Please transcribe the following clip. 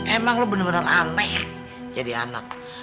emang lo bener bener aneh jadi anak